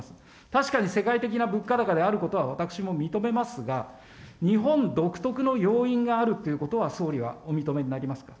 確かに世界的な物価高であることは、私も認めますが、日本独特の要因があるっていうことは、総理はお認めになりますか。